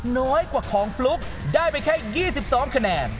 น้อยกว่าของฟลุ๊กได้ไปแค่๒๒คะแนน